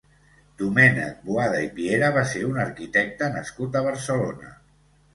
Domènec Boada i Piera va ser un arquitecte nascut a Barcelona.